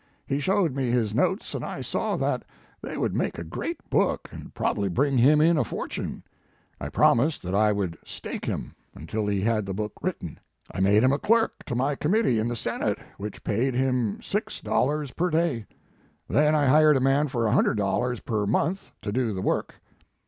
He showed me his notes and I saw that they would make a great book and probabl} r bring him in a fortune. I promised that I would stake him until he had the book written. I made him a clerk to my com mittee in the senate, which paid him $6 per day; then I hired a man for $100 per month to do the work.